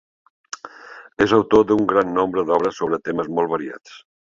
És autor d'un gran nombre d'obres sobre temes molt variats.